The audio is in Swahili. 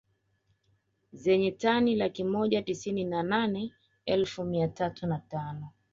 Zenye tani laki moja tisini na nane elfu mia tatu na tano